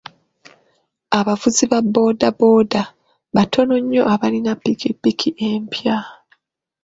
Abavuzi ba booda booda batono nnyo abalina ppikipiki empya.